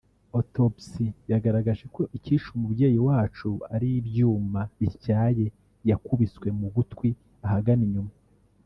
*Autopsie yagaragaje ko icyishe umubyeyi wacu ari ibyuma bityaye yakubiswe mu gutwi ahagana inyuma